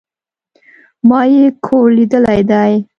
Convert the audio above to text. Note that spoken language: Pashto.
ما ئې کور ليدلى دئ